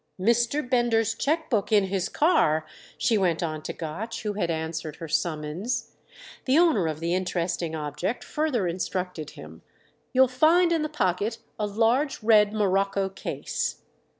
"Mr. Bender's cheque book—in his car," she went on to Gotch, who had answered her summons. The owner of the interesting object further instructed him: "You'll find in the pocket a large red morocco case."